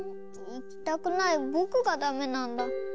いきたくないぼくがだめなんだ。